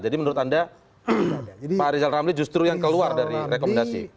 jadi menurut anda pak riza ramli justru yang keluar dari rekomendasi